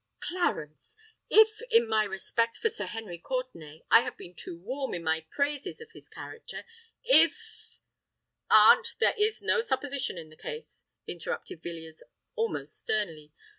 "Clarence—if, in my respect for Sir Henry Courtenay—I have been too warm in my praises of his character,—if——" "Aunt, there is no supposition in the case," interrupted Villiers, almost sternly.